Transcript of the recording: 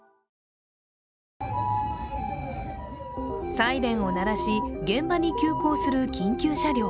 サイレンを鳴らし、現場に急行する緊急車両。